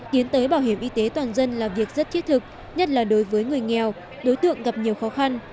tiến tới bảo hiểm y tế toàn dân là việc rất thiết thực nhất là đối với người nghèo đối tượng gặp nhiều khó khăn